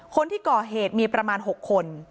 คนที่ก่อเหตุมีประมาณ๖คน